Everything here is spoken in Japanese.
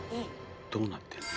どうなってるの？